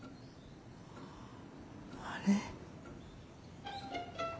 あれ？